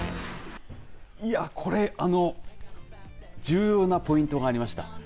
これ重要なポイントがありました。